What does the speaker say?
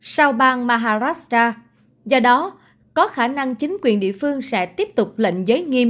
sau bang maharashtra do đó có khả năng chính quyền địa phương sẽ tiếp tục lệnh giấy nghiêm